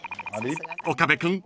［岡部君気